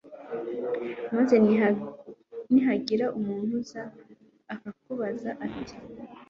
maze nihagira umuntu uza akakubaza ati